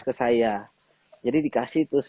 ke saya jadi dikasih terus